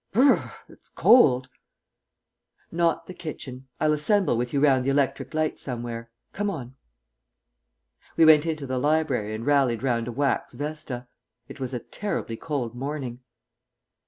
B r r r. It's cold." "Not the kitchen. I'll assemble with you round the electric light somewhere. Come on." We went into the library and rallied round a wax vesta. It was a terribly cold morning.